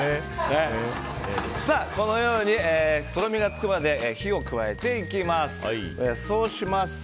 このようにとろみがつくまで火を加えていきます。